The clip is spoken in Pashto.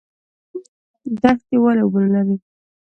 دښتې ولې اوبه نلري؟